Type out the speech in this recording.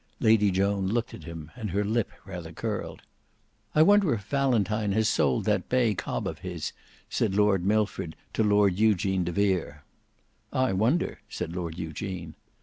Lady Joan looked at him, and her lip rather curled. "I wonder if Valentine has sold that bay cob of his," said Lord Milford to Lord Eugene de Vere. "I wonder," said Lord Eugene.